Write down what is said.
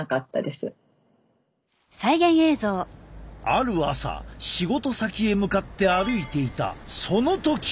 ある朝仕事先へ向かって歩いていたその時。